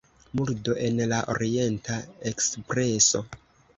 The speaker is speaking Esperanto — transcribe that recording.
Murdo en la Orienta Ekspreso.